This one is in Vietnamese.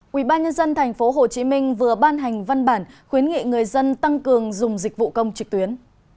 quỹ ba nhân dân tp hcm vừa ban hành văn bản khuyến nghị người dân tăng cường dùng dịch vụ công trực tuyến